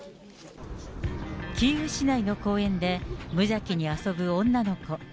キーウ市内の公園で無邪気に遊ぶ女の子。